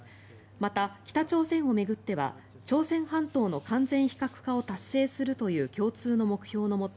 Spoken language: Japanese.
また、北朝鮮を巡っては朝鮮半島の完全非核化を達成するという共通の目標のもと